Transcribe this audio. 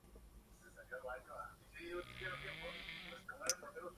Protagonizó "Phantom Racer" "y Girl in Progress".